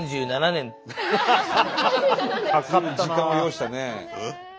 随分時間を要したね。